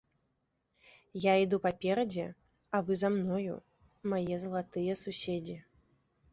Я іду паперадзе, а вы за мною, мае залатыя суседзі.